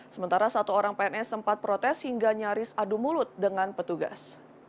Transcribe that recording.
sementara satu orang pns sempat protes hingga nyaris adu mulut dengan petugas